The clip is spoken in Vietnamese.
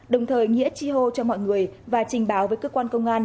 đồng thời nghĩa tri hô cho mọi người và trình báo với cơ quan công an